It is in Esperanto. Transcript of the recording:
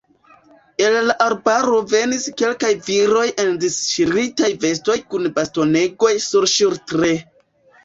El la arbaro venis kelkaj viroj en disŝiritaj vestoj kun bastonegoj surŝultre.